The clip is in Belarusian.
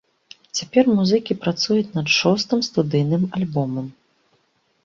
Цяпер музыкі працуюць над шостым студыйным альбомам.